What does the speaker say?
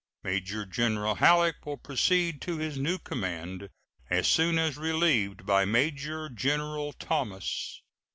Major General Halleck will proceed to his new command as soon as relieved by Major General Thomas.